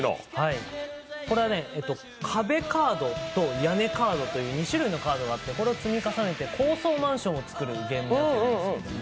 これは壁カードと屋根カードという２種類のカードがあってこれを積み重ねて高層マンションを作るゲームになってるんです。